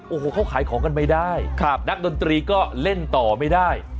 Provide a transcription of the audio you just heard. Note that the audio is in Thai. โอ้โหเขาขายของกันไม่ได้นักดนตรีก็เล่นต่อไม่ได้